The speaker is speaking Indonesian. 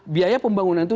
biaya pembangunan itu